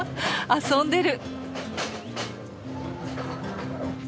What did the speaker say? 遊んでる！